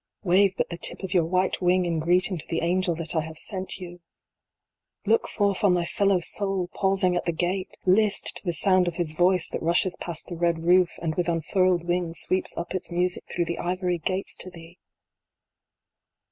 29 Wave but the tip of your white wing in greeting to the Angel that I have sent you ! Look forth on thy fellow Soul pausing at the gate ! List to the sound of his voice that rushes past the red roof, and with unfurled wings, sweeps up its music through the ivory gates to thee